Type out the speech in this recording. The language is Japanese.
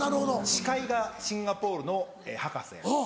司会がシンガポールの博士。